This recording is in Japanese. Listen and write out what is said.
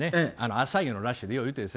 朝のラッシュでよく言うんですよ